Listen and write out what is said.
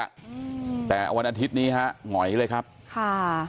อืมแต่วันอาทิตย์นี้ฮะหงอยเลยครับค่ะ